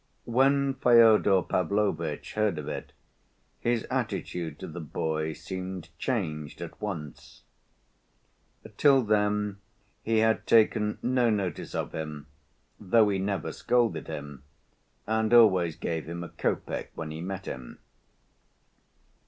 When Fyodor Pavlovitch heard of it, his attitude to the boy seemed changed at once. Till then he had taken no notice of him, though he never scolded him, and always gave him a copeck when he met him.